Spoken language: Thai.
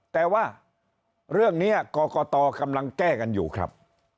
แต่ว่าเรื่องนี้กรกตกำลังแก้กันอยู่ครับ